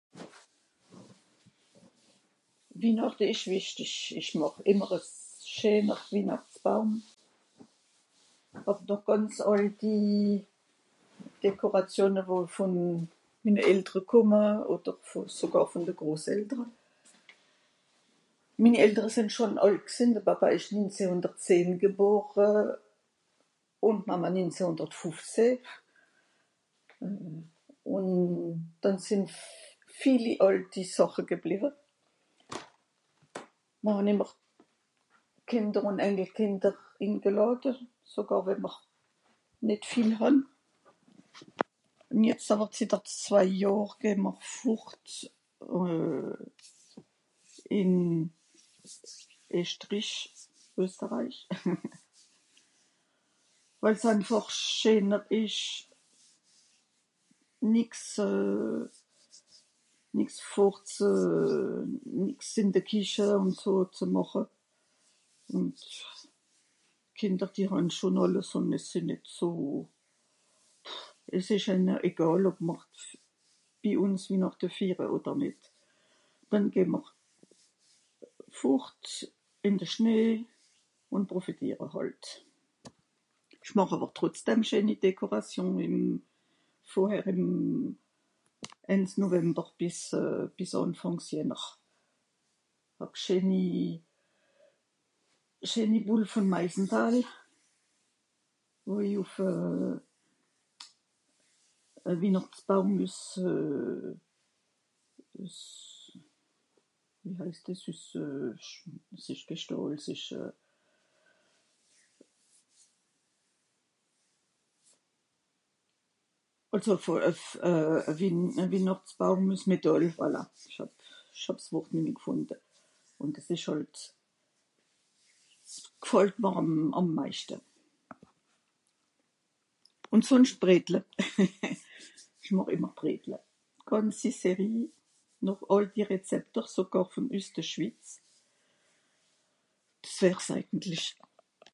"Wihnàchte ìsch wìchtisch. Ìch màch ìmmer e scheener Wihnàchtbaum, hàb noch gànz àlti Dekoration, wo vùn mine Eltere kumme oder vù... sogàr vùn de Groseltere. Mini Eltere sìnn schùn àlt gsìnn. De Papa ìsch ninzeh-hundert-zehn gebore ùn d'Mama ninzeh-hunder-fufzeh, ùn dànn sìnn vieli àlti Sàche gebliwe. Mìr han ìmmer Kìnder ùn Enkelkìnder ingelàde, sogàr ìmmer nìt viel hàn. Jetz àwer zetter zwei Johr geh m'r fùrt ìn Eschtrech, ""Österreich"". Wìl's einfàch scheener ìsch nìx ze... nìx vor ze... nìx ìn de Kìche, ùn so ze màche... ùn... Kìnder die hàn schon àlles ùn mìr sìnn nìt so... Es ìsch ìhne egàl ob m'r bi ùns Wihnàchte fiire oder nìt, wenn ìmmer. Fùrt, ìn de Schnee, ùn profitiere hàlt. Ìch màch àwer trotzdem scheeni dekoration ìm... vorher ìm end's November bìs Ànfang's Jänner. Màch scheeni... scheeni boules von Meisenthal. àui uf... Wihnàchtsbaum üs... s'ìsch keh Stàhl s'ìsch... Àlso e Wihnàchtsbaum üs metàl, voilà, ìch hàb... ìch hàb s'Wort nìmmi gfùnde. Ùn ìch hàlt's... gfàllt m'r àm meischte. Ùn sunsch Bredle. Ìch màch ìmmer Bredle. Gànzi série, àlti Rezepter sogàr üs de Schwitz. Sehr eigentich."